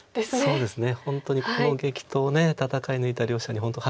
そうですね。